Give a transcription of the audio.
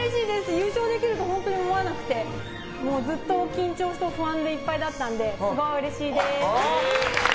優勝できると思わなくてずっと緊張と不安でいっぱいだったのですごいうれしいです！